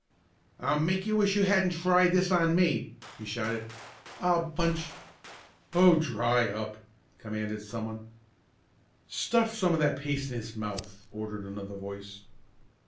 "I'll make you wish you hadn't tried this on me!" he shouted. "I'll punch " "Oh, dry up!" commanded someone. "Stuff some of that paste in his mouth!" ordered another voice.